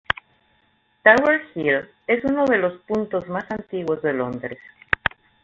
Tower Hill es uno de los puntos más antiguos de Londres.